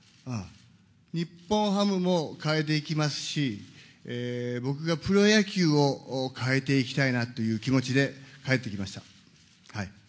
日本ハムも変えていきますし、僕がプロ野球を変えていきたいなという気持ちで帰ってきました。